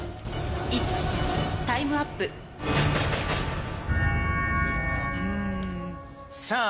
１タイムアップさぁ